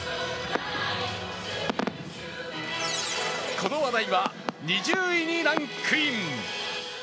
この話題は２０位にランクイン。